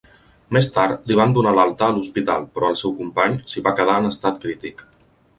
Més tard, li van donar l'alta a l'hospital, però el seu company s'hi va quedar en estat crític.